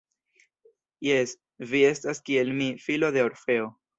Jes, vi estas kiel mi, filo de Orfeo.